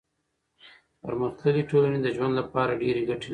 پرمختللي ټولنې د ژوند لپاره ډېر ګټې لري.